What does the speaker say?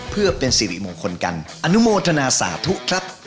เพื่อเป็นสิริมงคลกันอนุโมทนาสาธุครับ